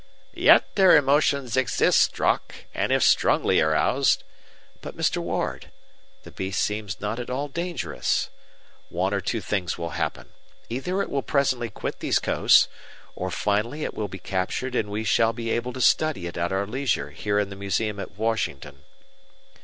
"Yet their emotions exist, Strock, and if strongly aroused—" "But, Mr. Ward, the beast seems not at all dangerous. One of two things will happen. Either it will presently quit these coasts, or finally it will be captured and we shall be able to study it at our leisure here in the museum of Washington."